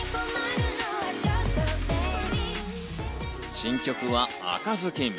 新曲は『赤ずきん』。